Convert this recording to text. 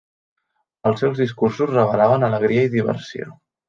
Els seus discursos revelaven alegria i diversió.